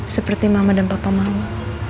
seperti mama dan papa mama